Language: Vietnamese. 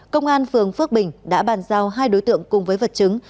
công an phường phước bình đã bàn giao hai đối tượng cùng với vật chứng